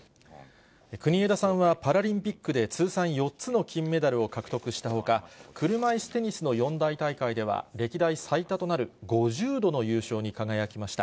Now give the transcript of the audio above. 国枝さんは、パラリンピックで通算４つの金メダルを獲得したほか、車いすテニスの四大大会では、歴代最多となる５０度の優勝に輝きました。